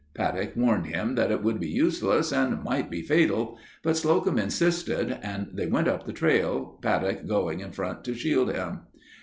Paddock warned him that it would be useless and might be fatal, but Slocum insisted and they went up the trail, Paddock going in front to shield him.